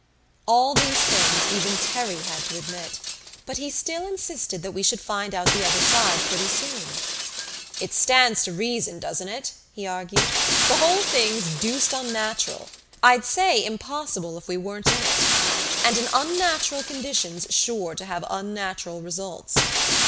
All these things even Terry had to admit, but he still insisted that we should find out the other side pretty soon. "It stands to reason, doesn't it?" he argued. "The whole thing's deuced unnatural I'd say impossible if we weren't in it. And an unnatural condition's sure to have unnatural results.